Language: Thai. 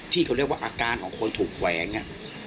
ที่เขาเรียกว่าอาการของคนถูกแขวง